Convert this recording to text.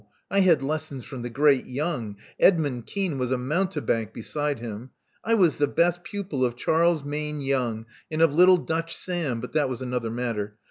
I had lessons from the great Young: Edmund Kean was a mountebank beside him. I was the best pupil of Charles Mayne Young, and of little Dutch Sam — but that was another matter.